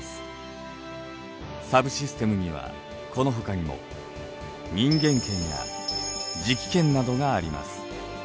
サブシステムにはこのほかにも人間圏や磁気圏などがあります。